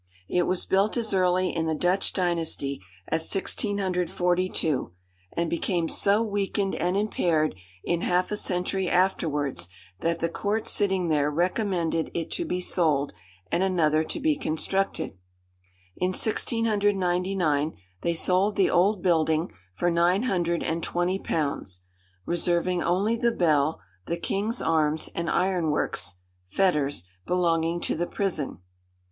It was built as early in the Dutch dynasty as 1642, and became so weakened and impaired in half a century afterwards, that the court sitting there recommended it to be sold, and another to be constructed. In 1699, they sold the old building for nine hundred and twenty pounds, "reserving only the bell, the king's arms, and iron works (fetters) belonging to the prison."